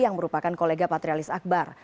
yang merupakan kolega patrialis akbar